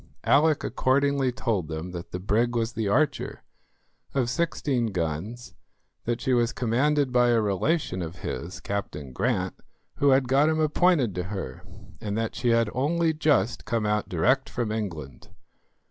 Alick accordingly told them that the brig was the Archer, of sixteen guns, that she was commanded by a relation of his, Captain Grant, who had got him appointed to her, and that she had only just come out direct from England.